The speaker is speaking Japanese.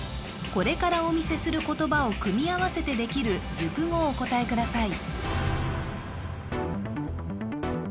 これからお見せする言葉を組み合わせてできる熟語をお答えください